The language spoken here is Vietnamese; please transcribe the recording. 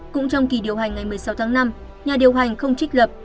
cũng trong kỳ điều hành ngày một mươi sáu tháng năm nhà điều hành không trích lập